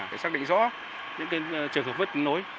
để xác định rõ những trường hợp mất kết nối